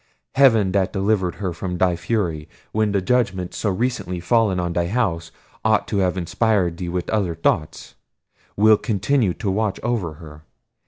Heaven that delivered her from thy fury, when the judgments so recently fallen on thy house ought to have inspired thee with other thoughts, will continue to watch over her.